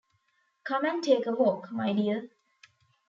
Come and take a walk, my dear?